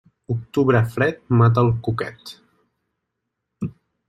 Octubre fred, mata al cuquet.